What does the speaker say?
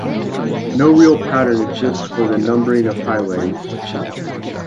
No real pattern exists for the numbering of highways.